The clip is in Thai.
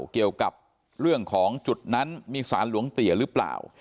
เกี่ยวกับเรื่องของจุดนั้นมีสารหลวงเตี๋ยหรือเปล่า